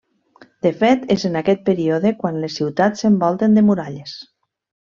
De fet, és en aquest període quan les ciutats s'envolten de muralles.